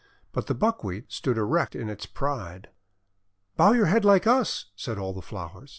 But the Buckwheat stood erect in its pride. "Bow your head like us!" said all the flowers.